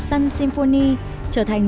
sun symphony trở thành